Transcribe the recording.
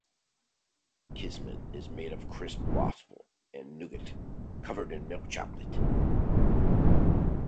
Kismet is made of crisp waffle and nougat covered in milk chocolate.